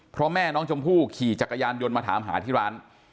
เพราะแม่น้องชมพู่ขี่จักรยานยนต์มาถามหาที่ร้าน